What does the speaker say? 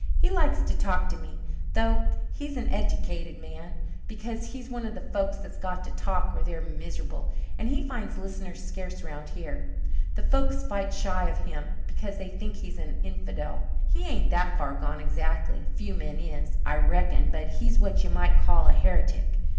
He likes to talk to me, though he's an eddicated man, because he's one of the folks that's got to talk or they're miserable, and he finds listeners scarce 'round here. The folks fight shy of him because they think he's an infidel. He ain't that far gone exactly few men is, I reckon but he's what you might call a heretic.